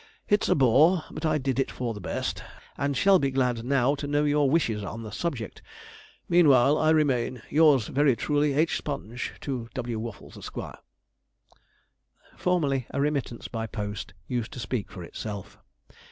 It's a bore; but I did it for the best, and shall be glad now to know your wishes on the subject. Meanwhile, I remain, 'Yours very truly, 'H. SPONGE. 'To W. WAFFLES, Esq.' Formerly a remittance by post used to speak for itself.